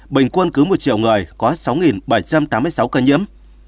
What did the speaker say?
bình quân cứ một triệu người có sáu bảy trăm tám mươi sáu ca nhiễm